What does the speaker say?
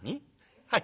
「はい。